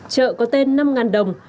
chợ có tên năm đồng